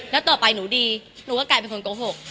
แล้วต่อไปหนูดีหนูก็กลายเป็นคนโกหก